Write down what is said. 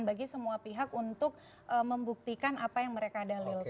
bagi semua pihak untuk membuktikan apa yang mereka dalilkan